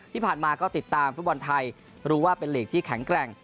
ที่ผ่านมาก็ติดตามฟุตบอลไทยรู้ว่าเป็นหลีกที่แข็งแกร่ง